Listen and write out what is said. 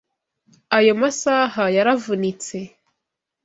Ayo masaha yaravunitse.